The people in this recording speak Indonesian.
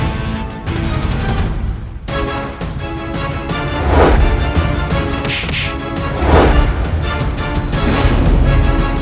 sebelum ada kecemasan attempting local program